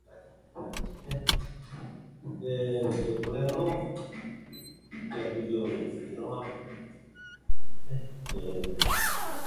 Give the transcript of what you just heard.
I thought I could take a cheeky little shortcut through the woods.